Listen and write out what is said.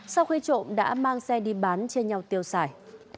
sau khi trộm đã mang xe đi bán chia nhau tiêu xài